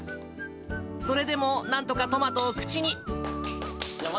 それでもなんとかトマトを口に。